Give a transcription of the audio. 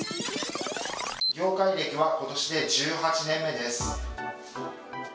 業界歴は今年で１８年目です